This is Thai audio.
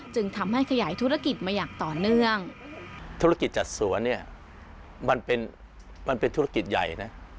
จึงทำให้ขยายธุรกิจมาอย่างต่อเนื่องธุรกิจจัดสวนเนี่ยมันเป็นมันเป็นธุรกิจใหญ่นะ